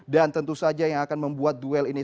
dan tentu saja yang akan membuat duel ini